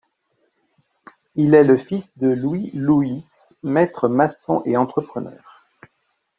Il est le fils de Louis Loüis, maître maçon et entrepreneur.